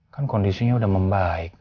kan kondisinya udah membaik